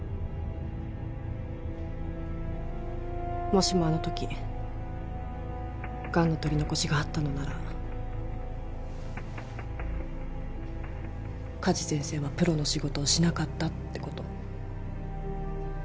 もしもあの時がんの取り残しがあったのなら加地先生はプロの仕事をしなかったって事。